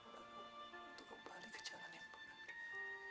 untuk kembali ke jalan yang berbeda